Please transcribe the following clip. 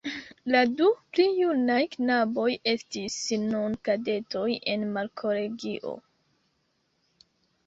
La du pli junaj knaboj estis nun kadetoj en markolegio.